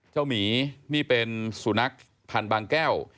หมีนี่เป็นสุนัขพันธ์บางแก้ว